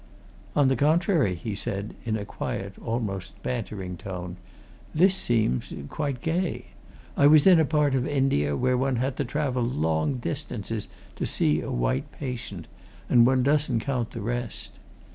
"On the contrary," he said in a quiet almost bantering tone, "this seems quite gay. I was in a part of India where one had to travel long distances to see a white patient and one doesn't count the rest.